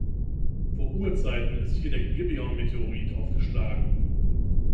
Vor Urzeiten ist hier der Gibeon-Meteorit aufgeschlagen.